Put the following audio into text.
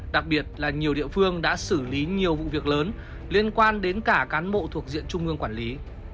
đặc biệt là nhiều địa phương đã xử lý nhiều vụ việc lớn liên quan đến cả cán bộ thuộc diện trung ương quản lý